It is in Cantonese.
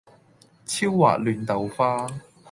超滑嫩豆花